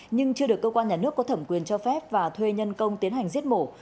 nhưng chưa được cơ quan nhà nước có thẩm quyền cho phép và thuê nhân công tiến hành giết mổ